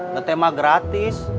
ngeteh mah gratis